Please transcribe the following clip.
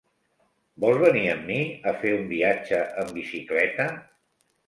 Vols venir amb mi a fer un viatge amb bicicleta?